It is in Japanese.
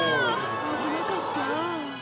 「危なかった」